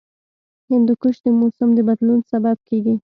هندوکش د موسم د بدلون سبب کېږي.